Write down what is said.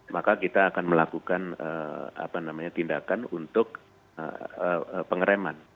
maka kita akan melakukan apa namanya tindakan untuk pengereman